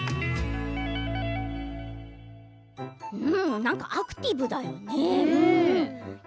なんかアクティブだよね。